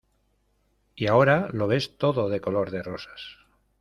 y ahora lo ves todo de color de rosas.